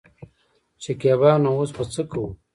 شکيبا : نو اوس به څه کوو.